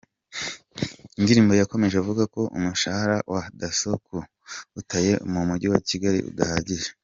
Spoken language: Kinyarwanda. Ndirima yakomeje avuga ko umushahara wa Dasso ku batuye mu mujyi wa Kigali, udahagije.